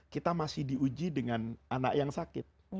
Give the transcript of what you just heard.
kita masih diuji dengan anak yang sakit